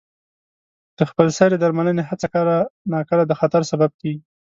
د خپل سرې درملنې هڅه کله ناکله د خطر سبب کېږي.